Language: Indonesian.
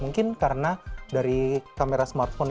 mungkin karena dari kamera smartphone